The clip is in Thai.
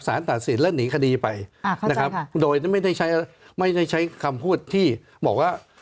สารตัดสินและหนีคดีไปอ่าเข้าใจค่ะโดยไม่ได้ใช้ไม่ได้ใช้คำพูดที่บอกว่า